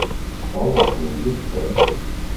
所謂回憶者，